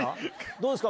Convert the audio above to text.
どうですか？